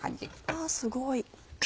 あすごい。